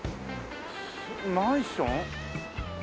マンション？